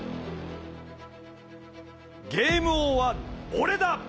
ゲーム王は俺だ！